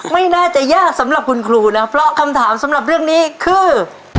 ไม่น่าจะยากสำหรับคุณครูนะเพราะคำถามสำหรับเรื่องนี้คือ